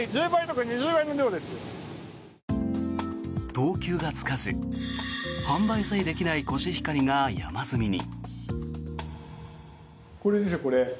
等級がつかず販売さえできないコシヒカリが山積みに。